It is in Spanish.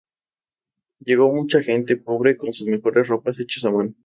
Llegó mucha gente pobre con sus mejores ropas hechas a mano.